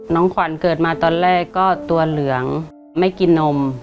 ขวัญเกิดมาตอนแรกก็ตัวเหลืองไม่กินนม